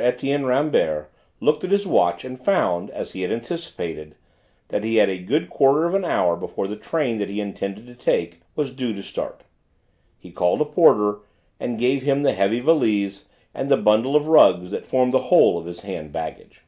Etienne Rambert looked at his watch and found, as he had anticipated, that he had a good quarter of an hour before the train that he intended to take was due to start. He called a porter, and gave him the heavy valise and the bundle of rugs that formed the whole of his hand baggage.